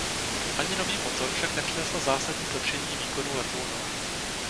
Ani nový motor však nepřinesl zásadní zlepšení výkonů letounu.